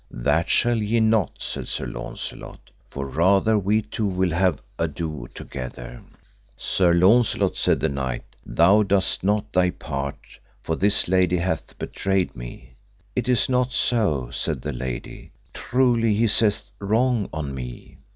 That shall ye not, said Sir Launcelot, for rather we two will have ado together. Sir Launcelot, said the knight, thou dost not thy part, for this lady hath betrayed me. It is not so, said the lady, truly he saith wrong on me.